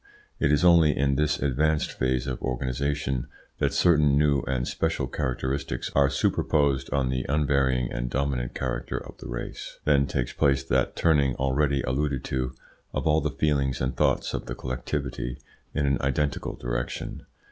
It is only in this advanced phase of organisation that certain new and special characteristics are superposed on the unvarying and dominant character of the race; then takes place that turning already alluded to of all the feelings and thoughts of the collectivity in an identical direction.